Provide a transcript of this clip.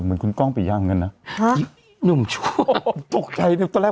เหมือนคุณกล้องไปย่างเงินน่ะฮะหนุ่มชั่วตกใจตอนแรก